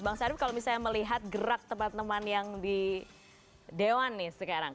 bang sarif kalau misalnya melihat gerak teman teman yang di dewan nih sekarang